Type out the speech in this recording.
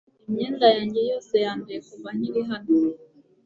imyenda yanjye yose yanduye kuva nkiri hano